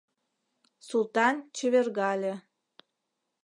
Султан чевергале.